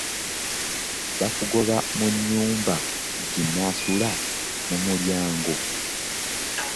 Bakugoba mu nyumba nti , “nasula mu mulyango .”